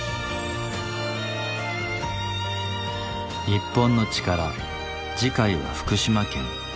『日本のチカラ』次回は福島県。